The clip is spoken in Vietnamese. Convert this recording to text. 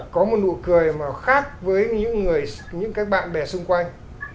có một nụ cười mà khác với những các bạn bè xung quanh